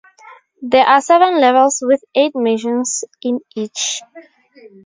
There are seven levels with eight missions in each.